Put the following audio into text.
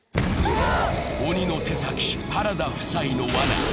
鬼の手先、原田夫妻のわな。